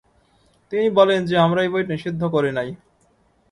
তিনি বলেন যে, আমরা এই বইটি নিষিদ্ধ করি নাই।